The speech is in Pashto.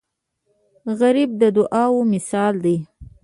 غریب د دعاو مثال دی